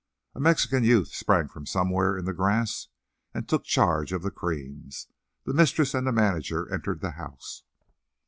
A Mexican youth sprang from somewhere in the grass, and took charge of the creams. The mistress and the manager entered the house.